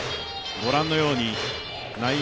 御覧のように内野、